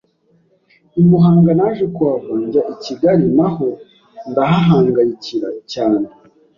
I muhanga naje kuhava njya I Kigali naho ndahahangayikira cyane,